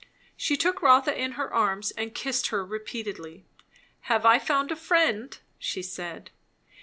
She took Rotha in her arms and kissed her repeatedly. "Have I found a friend?" she said.